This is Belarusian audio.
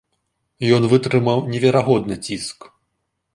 Ён вытрымаў неверагодны ціск.